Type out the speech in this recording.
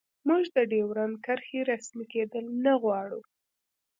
موږ د ډیورنډ کرښې رسمي کیدل نه غواړو